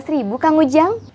lima belas ribu kang ujang